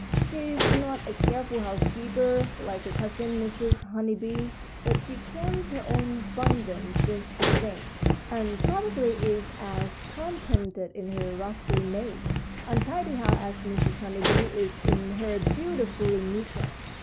She is not a careful housekeeper, like her cousin Mrs. Honey Bee, but she carries her own burdens just the same, and probably is as contented in her roughly made, untidy house as Mrs. Honey Bee is in her beautifully neat one.